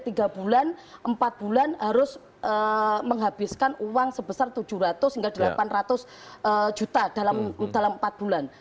tiga bulan empat bulan harus menghabiskan uang sebesar tujuh ratus hingga delapan ratus juta dalam empat bulan